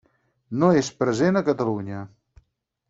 No és present a Catalunya.